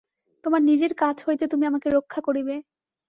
তোমার নিজের কাছ হইতে তুমি আমাকে রক্ষা করিবে।